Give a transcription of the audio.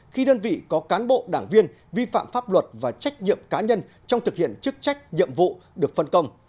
khi đơn vị có cán bộ đảng viên vi phạm pháp luật và trách nhiệm cá nhân trong thực hiện chức trách nhiệm vụ được phân công